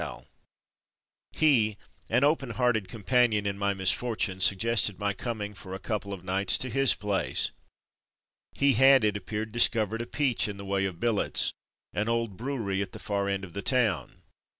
279 28o From Mud to Mufti He, an open hearted companion in my misfortune, suggested my coming for a couple of nights to his place. He had, it appeared, discovered a ''peach'' in the way of billets ; an old brewery at the far end of the town.